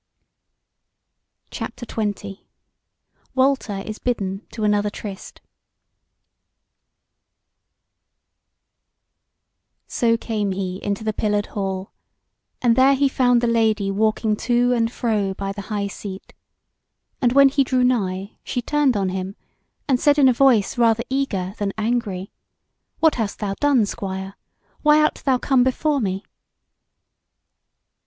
CHAPTER XX: WALTER IS BIDDEN TO ANOTHER TRYST So came he into the pillared hall, and there he found the Lady walking to and fro by the high seat; and when he drew nigh she turned on him, and said in a voice rather eager than angry: "What hast thou done, Squire? Why art thou come before me?"